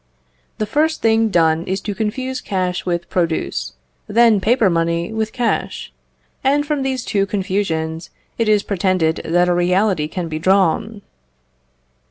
The first thing done is to confuse cash with produce, then paper money with cash; and from these two confusions it is pretended that a reality can be drawn.